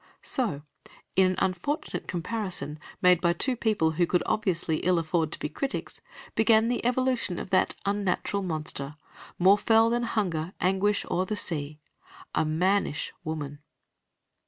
So, in an unfortunate comparison, made by two people who could obviously ill afford to be critics, began the evolution of that unnatural monster, more "fell than hunger, anguish, or the sea," a mannish woman.